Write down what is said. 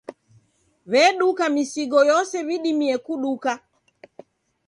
W'eduka misigo yose w'idimie kuduka.